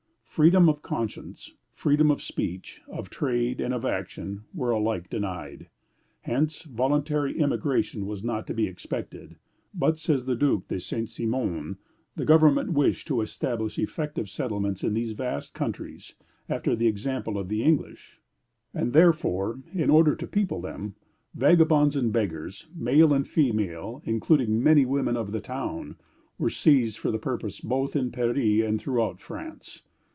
Freedom of conscience, freedom of speech, of trade, and of action, were alike denied. Hence voluntary immigration was not to be expected; "but," says the Duc de Saint Simon, "the government wished to establish effective settlements in these vast countries, after the example of the English; and therefore, in order to people them, vagabonds and beggars, male and female, including many women of the town, were seized for the purpose both in Paris and throughout France."